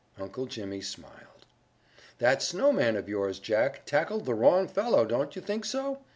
Uncle Jimmy smiled. "That snowman of yours, Jack, tackled the wrong fellow, don't you think so?"